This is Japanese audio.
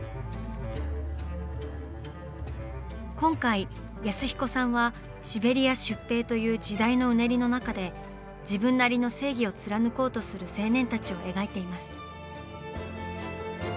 今回安彦さんは「シベリア出兵」という時代のうねりの中で自分なりの正義を貫こうとする青年たちを描いています。